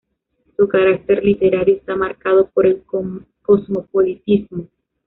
Su carácter literario está marcado por el cosmopolitismo.